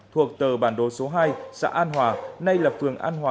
thuộc tờ bản đồ số hai xã an hòa nay là phường an hòa